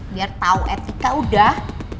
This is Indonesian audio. biar tahu etika udah